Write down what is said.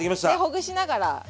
ほぐしながら。